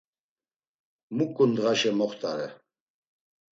Muǩu ndğaşe moxtare?